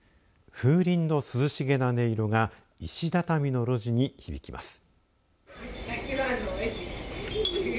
風鈴の涼しげな音色が石畳の路地に響きます。